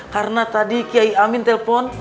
karena tadi kiai amin telpon